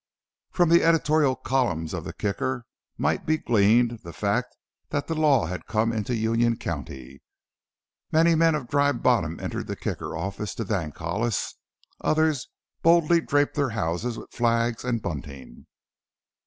From the editorial columns of the Kicker might be gleaned the fact that the Law had come into Union County. Many men of Dry Bottom entered the Kicker office to thank Hollis; others boldly draped their houses with flags and bunting.